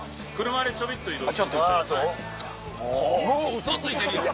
ウソついてるやん！